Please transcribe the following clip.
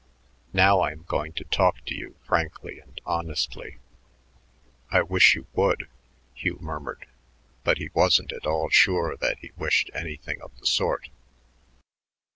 Now I am going to talk to you frankly and honestly." "I wish you would," Hugh murmured, but he wasn't at all sure that he wished anything of the sort.